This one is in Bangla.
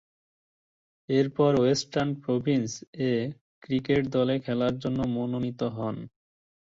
এরপর ওয়েস্টার্ন প্রভিন্স এ ক্রিকেট দলে খেলার জন্য মনোনীত হন।